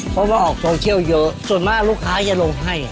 เพราะว่าออกโซเชียลเยอะส่วนมากลูกค้าจะลงให้